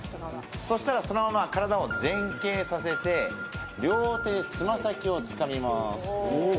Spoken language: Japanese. そしたらそのまま体を前傾させて両手でつま先をつかみます。